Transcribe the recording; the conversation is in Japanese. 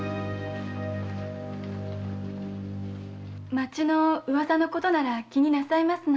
町の噂のことなら気になさいますな。